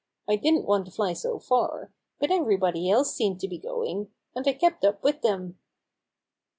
I didn't want to fly so far, but everybody else seemed to be going, and I kept up with them."